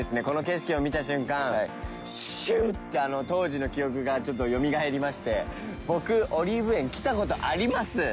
この景色を見た瞬間シューッて当時の記憶がちょっとよみがえりまして僕オリーブ園来た事あります。